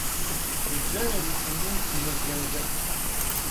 Јер ђевери у њу и не гледе.